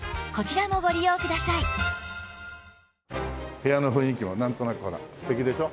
部屋の雰囲気もなんとなくほら素敵でしょ。